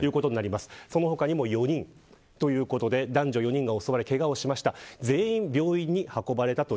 その他にも４人ということで男女４人が襲われてけがをしました。